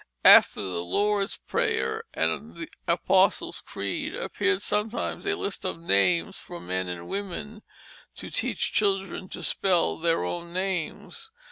After the Lord's Prayer and Apostle's Creed appeared sometimes a list of names for men and women, to teach children to spell their own names.